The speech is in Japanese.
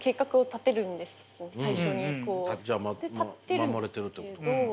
じゃ守れてるってこと？